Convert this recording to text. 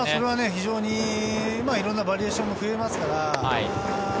非常にいろんなバリエーションも増えますから。